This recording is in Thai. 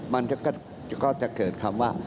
มันก็จะเกิดคำว่า